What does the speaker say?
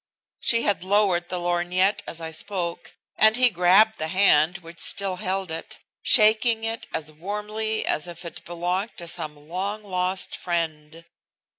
She had lowered the lorgnette as I spoke, and he grabbed the hand which still held it, shaking it as warmly as if it belonged to some long lost friend.